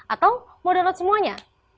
atau mau download semuanya